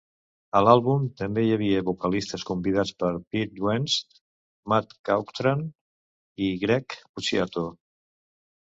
A l'àlbum també hi havia vocalistes convidats per Pete Wentz, Matt Caughthran i Greg Puciato.